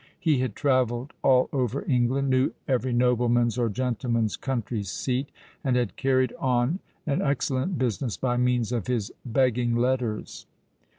He had travelled all over England—knew every nobleman's or gentleman's country seat—and had carried on an excellent business by means of his begging letters.